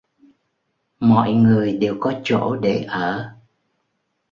Mọi người đều có chỗ để ở